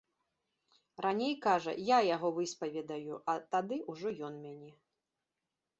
Раней, кажа, я яго выспаведаю, а тады ўжо ён мяне.